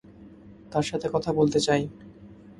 তার সাথে কথা বলতে চাই।